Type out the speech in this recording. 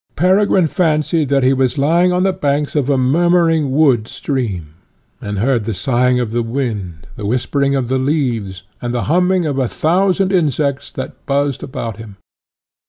Peregrine fancied that he was lying on the banks of a murmuring wood stream, and heard the sighing of the wind, the whispering of the leaves, and the humming of a thousand insects that buzzed about him.